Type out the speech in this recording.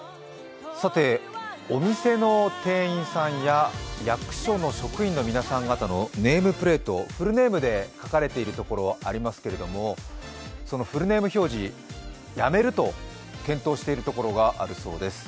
お店の店員さんや役所の皆さんのネームプレートフルネームで書かれているところありますけどフルネーム表示、やめると検討しているところがあるようです。